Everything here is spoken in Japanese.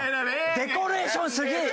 デコレーションしすぎ！